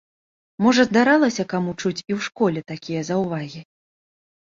Можа здаралася каму чуць і ў школе такія заўвагі?